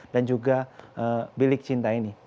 dan juga bilik cinta ini